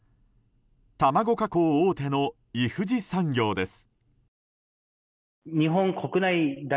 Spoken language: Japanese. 卵加工大手のイフジ産業です。